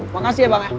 makasih ya bang ya